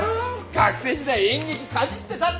学生時代演劇かじってたって。